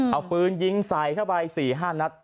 เอาปืนยิงใส่เข้าไป๔๕นัด